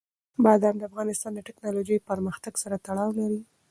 بادام د افغانستان د تکنالوژۍ پرمختګ سره تړاو لري.